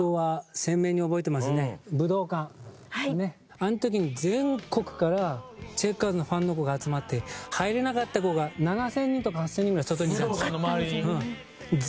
あの時に全国からチェッカーズのファンの子が集まって入れなかった子が７０００人とか８０００人ぐらい外にいたんですよね。